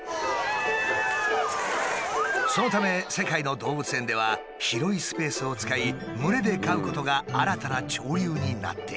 そのため世界の動物園では広いスペースを使い群れで飼うことが新たな潮流になっている。